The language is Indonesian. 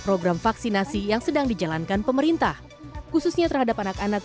program vaksinasi yang sedang dijalankan pemerintah khususnya terhadap anak anak